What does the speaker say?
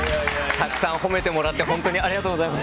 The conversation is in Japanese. たくさん褒めてもらって本当にありがとうございます。